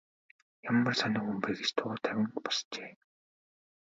Ямар сонин хүн бэ гэж дуу тавин босжээ.